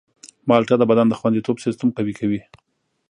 مالټه د بدن د خوندیتوب سیستم قوي کوي.